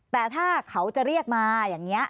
แต่ถ้าเขาจะเรียกมาอย่างนี้